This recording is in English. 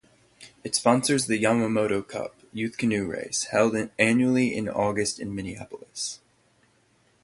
It sponsors the Yamamoto Cup youth canoe race, held annually in August in Minneapolis.